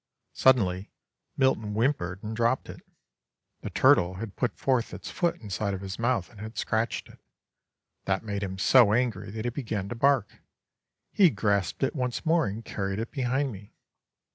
Suddenly Milton whimpered and dropped it. The turtle had put forth its foot inside of his mouth, and had scratched it. That made him so angry that he began to bark; he grasped it once more and carried it behind me.